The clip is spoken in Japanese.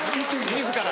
自ら。